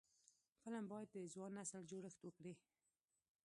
فلم باید د ځوان نسل جوړښت وکړي